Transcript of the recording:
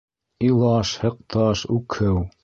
Илаш, һыҡташ, үкһеү.